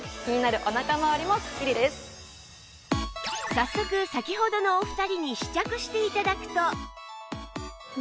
早速先ほどのお二人に試着して頂くと